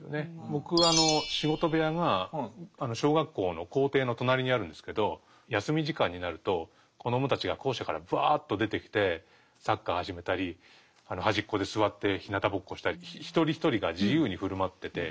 僕仕事部屋が小学校の校庭の隣にあるんですけど休み時間になると子どもたちが校舎からプワーッと出てきてサッカー始めたり端っこで座ってひなたぼっこしたり一人一人が自由に振る舞ってて。